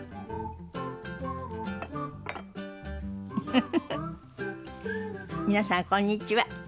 フフフフ皆さんこんにちは。